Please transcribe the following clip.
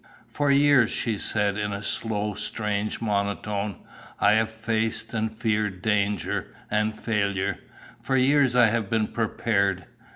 "For years," she said, in a slow, strange monotone, "I have faced and feared danger, and failure. For years I have been prepared!